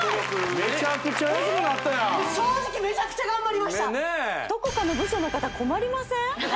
めちゃくちゃ安くなったやん正直めちゃくちゃ頑張りましたどこかの部署の方困りません？